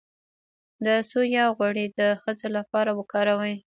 د سویا غوړي د ښځو لپاره وکاروئ